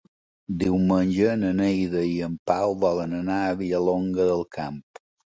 Diumenge na Neida i en Pau volen anar a Vilallonga del Camp.